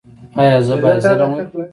ایا زه باید ظلم وکړم؟